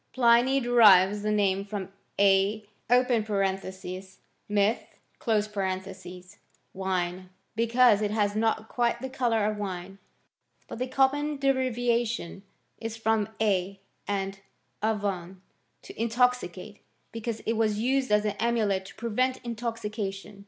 Pliny derives the name from « and (a) ^vOi| (mythe)y wine, because it has not quite the colour of wine. But the common derivation is from a and /Av9tm, to intoxicatey because it was used as an amulet to prevent intoxication.